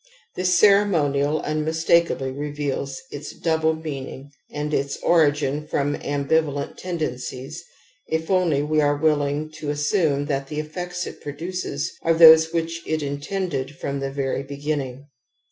This cere monial unmistakably reveals its double meaning Uand its origin from ambivalent tendencies if only we are willing to assume that the effects it pro duces are those which it intended from the very beginning.